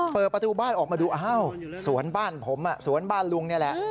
เปิดประตูบ้านออกมาดูอ้าวสวนบ้านผมสวนบ้านลุงนี่แหละ